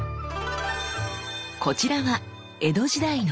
こちらは江戸時代の鐔。